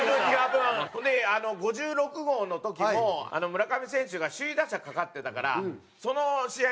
それで５６号の時も村上選手が首位打者かかってたからその試合